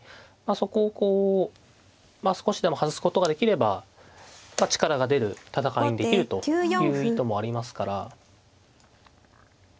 そこをこう少しでも外すことができれば力が出る戦いにできるという意図もありますから。